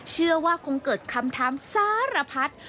เชื่อว่าคงเกิดคำถามสารพัด